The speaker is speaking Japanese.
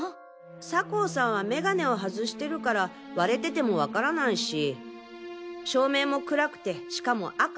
酒匂さんはメガネを外してるから割れてても分からないし照明も暗くてしかも赤。